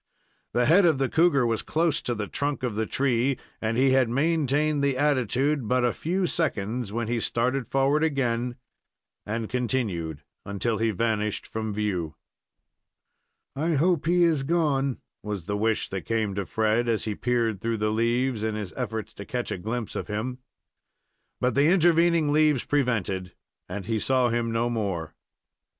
The head of the cougar was close to the trunk of the tree, and he had maintained the attitude hut a few seconds when he started forward again and continued until he vanished from view. "I hope he is gone," was the wish that came to Fred, as he peered through the leaves, in his effort to catch a glimpse of him. But the intervening leaves prevented, and he saw him no more.